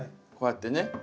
こうやってね。